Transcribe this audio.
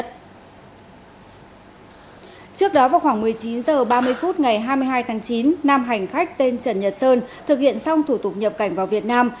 trước đó vào khoảng một mươi chín h ba mươi phút ngày hai mươi hai tháng chín nam hành khách tên trần nhật sơn thực hiện xong thủ tục nhập cảnh vào việt nam